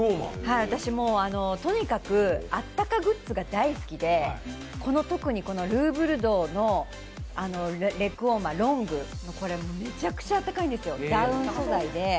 私、とにかく、あったかグッズが大好きで特にこのルーヴルドーのレッグウォーマー、ロングのこれ、めちゃくちゃ暖かいんですよ、ダウン素材で。